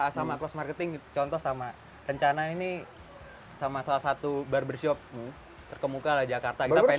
sama close marketing contoh sama rencana ini sama salah satu barbershop terkemuka lah jakarta kita pengen